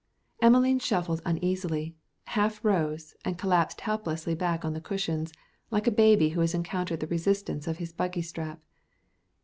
Emelene shuffled uneasily, half rose, and collapsed helplessly back on the cushions, like a baby who has encountered the resistance of his buggy strap.